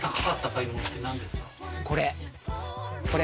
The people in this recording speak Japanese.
これ！